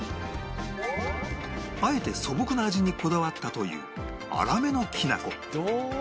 あえて素朴な味にこだわったという粗めのきなこ